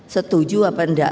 setuju apa tidak